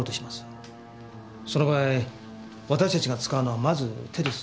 その場合私たちが使うのはまず手です。